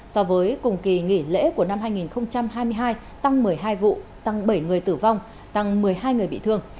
so với cùng kỳ nghỉ lễ của năm hai nghìn hai mươi hai tăng một mươi hai vụ tăng bảy người tử vong tăng một mươi hai người bị thương